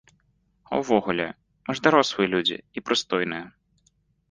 А ўвогуле, мы ж дарослыя людзі і прыстойныя.